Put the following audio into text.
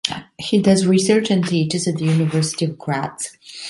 He does research and teaches at the University of Graz.